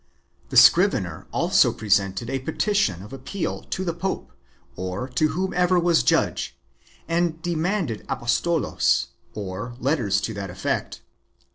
The scrivener also presented a petition of appeal to the pope, or to whomsoever was judge, and demanded apostolos or letters to that effect.